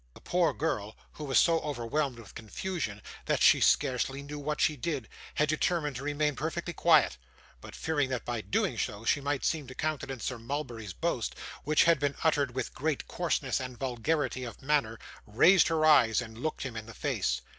The poor girl, who was so overwhelmed with confusion that she scarcely knew what she did, had determined to remain perfectly quiet; but fearing that by so doing she might seem to countenance Sir Mulberry's boast, which had been uttered with great coarseness and vulgarity of manner, raised her eyes, and looked him in the face.